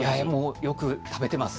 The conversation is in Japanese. よく食べてます。